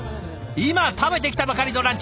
今食べてきたばかりのランチ。